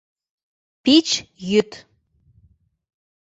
Пич йӱд…